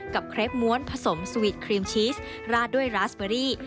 เครปม้วนผสมสวีทครีมชีสราดด้วยราสเบอรี่